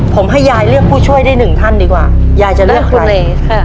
ผมให้ยายเลือกผู้ช่วยได้หนึ่งท่านดีกว่ายายจะเลือกใครเลือกคุณเนค่ะ